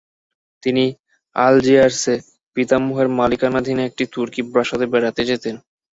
তিনি আলজিয়ার্সে পিতামহের মালিকানাধীন একটি তুর্কি প্রাসাদে বেড়াতে যেতেন।